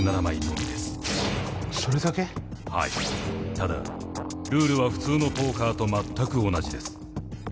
ただルールは普通のポーカーとまったく同じです。